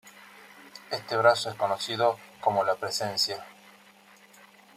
Este brazo es conocido como "La Presencia.